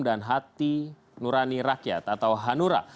dan hati nurani rakyat atau hanura